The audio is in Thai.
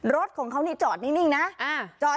รถของเขานี่จอดนิ่งนะ